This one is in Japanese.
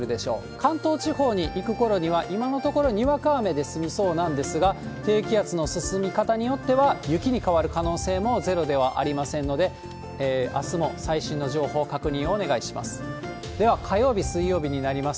関東地方に行くころには、今のところ、にわか雨で済みそうなんですが、低気圧の進み方によっては、雪に変わる可能性もゼロではありませんので、あすも最新の情報を、確認をお願いします。